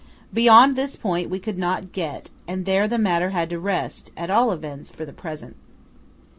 Beyond this point we could not get; and there the matter had to rest, at all events for the present.